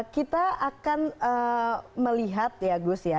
kita akan melihat ya gus ya